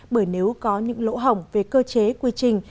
bởi nếu có những lỗ hỏng về cơ chế quy trình